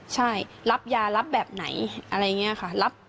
ใช่รับยารับแบบไหนอะไรอย่างนี้ค่ะ